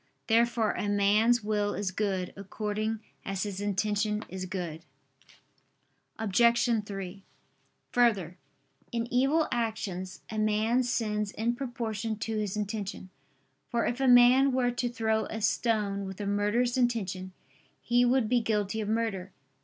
Therefore a man's will is good, according as his intention is good. Obj. 3: Further, in evil actions, a man sins in proportion to his intention: for if a man were to throw a stone with a murderous intention, he would be guilty of murder.